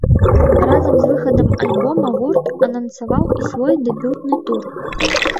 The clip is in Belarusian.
Разам з выхадам альбома гурт анансаваў і свой дэбютны тур.